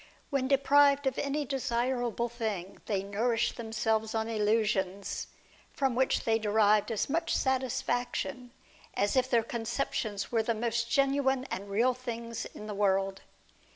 When deprived of any 2o8 DIALOGUE BETWEEN desirable thing, they nourish themselves on illusions, from which they derive as much satisfaction as if their conceptions were the most genuine and real things in the world.